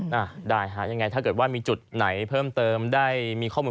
นายกินสักหรือว่านายบอลนี่นะครับ